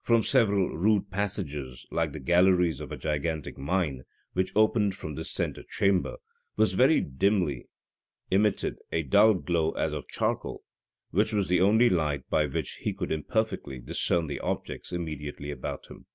From several rude passages, like the galleries of a gigantic mine, which opened from this centre chamber, was very dimly emitted a dull glow as of charcoal, which was the only light by which he could imperfectly discern the objects immediately about him.